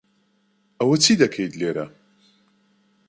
ئەوە چی دەکەیت لێرە؟